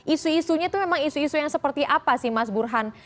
isu isunya itu memang isu isu yang seperti apa sih mas burhan